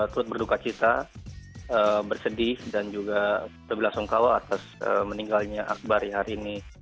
telah berduka cita bersedih dan juga berbelasongkawa atas meninggalnya akbar hari ini